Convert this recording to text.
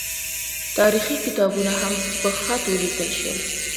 تاریخي کتابونه هم په خط ولیکل شول.